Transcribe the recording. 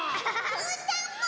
うーたんも！